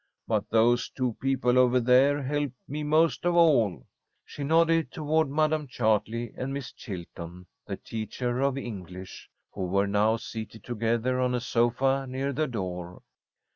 But those two people over there help me most of all." She nodded toward Madam Chartley and Miss Chilton, the teacher of English, who were now seated together on a sofa near the door.